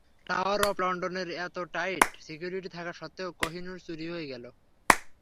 Tower of লন্ডনের এত tight security থাকা সত্ত্বেও কোহিনূর চুরি হয়ে গেল।